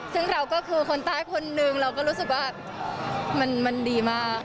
ซึ่งเราก็คือคนใต้คนนึงเราก็รู้สึกว่ามันดีมาก